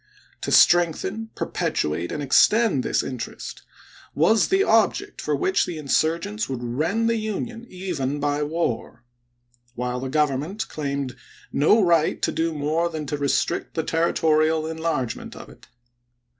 To strengthen, perpetu ate, and extend this interest was the object for which the insurgents would rend the Union, even by war ; while the Government claimed no right to do more than to restrict the territorial enlargement of it.